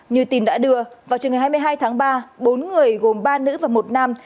như tin đã đưa vào trường ngày hai mươi hai tháng ba bốn người gồm ba nữ và một nam